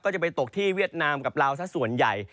ก็จะไปตกที่เวียดนามกับลาวสักส่วนใหญ่